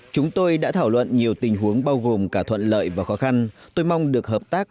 chúng tôi đã thảo luận nhiều tình huống bao gồm cả thuận lợi và khó khăn tôi mong được hợp tác